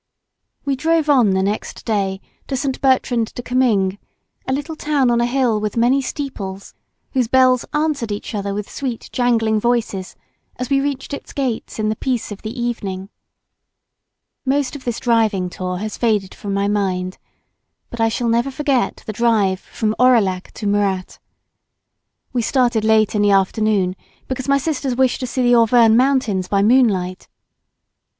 We drove on the next day to St. Bertrand de Comminges, a little town on a hill with many steeples, whose bells answered each other with sweet jangling voices as we reached its gates in the peace of the evening. Most of this driving tour has faded from my mind, but I shall never forget the drive from Aurillac to Murat. We started late in the afternoon, because my sisters wished to see the Auvergnes mountains by moonlight.